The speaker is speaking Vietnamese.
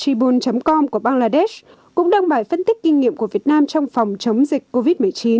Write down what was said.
tripol com của bangladesh cũng đăng bài phân tích kinh nghiệm của việt nam trong phòng chống dịch covid một mươi chín